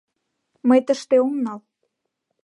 — Мый тыште ом нал.